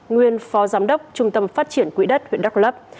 nguyên phó giám đốc trung tâm phát triển quỹ đất huyện đắk lấp